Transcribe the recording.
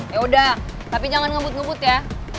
ya udah tapi jangan ngebut ngebut ya